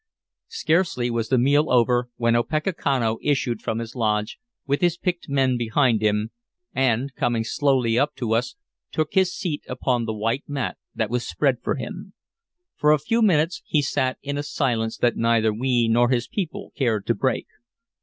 Scarcely was the meal over when Opechancanough issued from his lodge, with his picked men behind him, and, coming slowly up to us, took his seat upon the white mat that was spread for him. For a few minutes he sat in a silence that neither we nor his people cared to break.